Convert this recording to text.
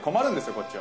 こっちは。